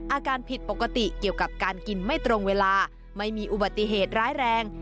อาการผิดปกติเกี่ยวกับการกินไม่ตรงเวลาไม่มีอุบัติเหตุร้ายแรง